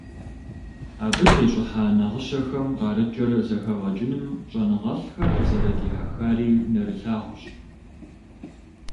Абы тещIыхьа нагъыщэхэм къарыкIыр зэхэгъэкIыным щIэныгъэлIхэр зэрыдихьэхари нэрылъагъущ.